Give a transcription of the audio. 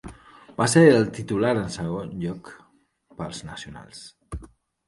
Va ser el titular en segon lloc per als Nacionals.